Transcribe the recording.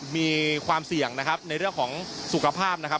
มีความเสี่ยงนะครับในเรื่องของสุขภาพนะครับ